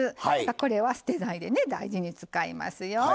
これは捨てないで大事に使いますよ。